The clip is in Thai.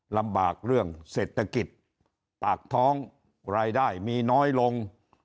ลำบากเรื่องเศรษฐกิจปากท้องรายได้มีน้อยลง